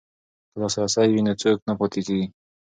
که لاسرسی وي نو څوک نه پاتې کیږي.